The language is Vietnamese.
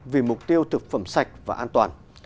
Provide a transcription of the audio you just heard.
vì mục tiêu thực phẩm sạch và an toàn